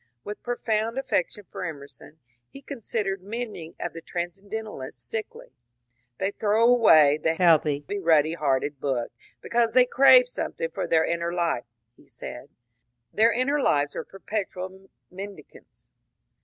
With profound affection for Emerson, he considered many of the transcendentalists sickly. ^* They throw away the healthy ruddy hearted book because they crave something for their * inner life,' " he said ;^ their inner lives are perpetual mendicants."